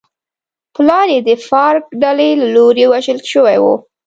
پلار یې د فارک ډلې له لوري وژل شوی و.